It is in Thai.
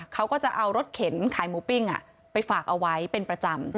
เขาก็จะเอารถเข็นขายหมูปิ้งไปฝากเอาไว้เป็นประจำ